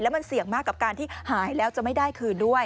มันเสี่ยงมากกับการที่หายแล้วจะไม่ได้คืนด้วย